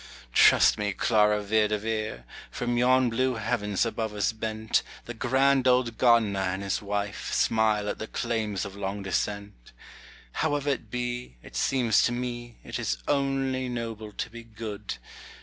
Trust me, Clara Vere de Vere, From yon blue heavens above us bent The grand old gardener and his wife Smile at the claims of long descent. Howe'er it be, it seems to me, 'T is only noble to be good.